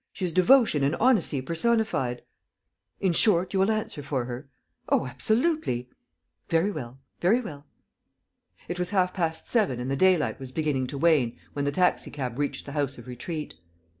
... She is devotion and honesty personified. ..." "In short, you will answer for her?" "Oh, absolutely!" "Very well ... very well." It was half past seven and the daylight was beginning to wane when the taxi cab reached the House of Retreat.